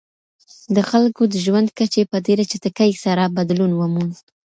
د خلګو د ژوند کچې په ډېره چټکۍ سره بدلون وموند.